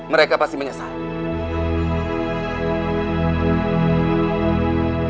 mereka pasti menyesal